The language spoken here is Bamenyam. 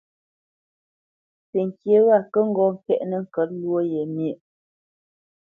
Təŋkyé wa kə ŋgɔ́ ŋkɛ̀ʼnə ŋkə̌t lwó ye myéʼ.